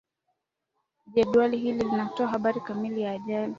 jedwali hili linatoa habari kamili ya ajali